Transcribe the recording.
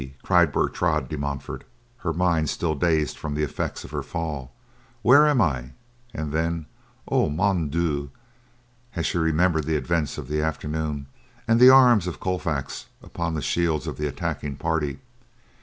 cried Bertrade de Montfort, her mind still dazed from the effects of her fall. "Where am I?" and then, "O, Mon Dieu!" as she remembered the events of the afternoon; and the arms of Colfax upon the shields of the attacking party.